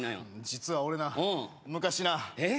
実は俺な昔なええ！？